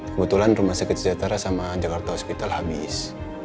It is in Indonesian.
kebetulan rumah sakit sejahtera sama jakarta hospital habis